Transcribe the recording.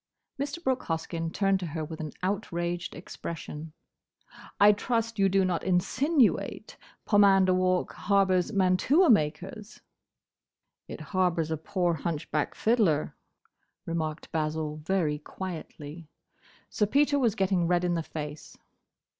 Mr. Brooke Hoskyn turned to her with an outraged expression: "I trust you do not insinuate Pomander Walk harbours mantua makers?" "It harbours a poor, hunchback fiddler," remarked Basil, very quietly. Sir Peter was getting red in the face.